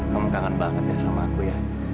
kamu kangen banget ya sama aku ya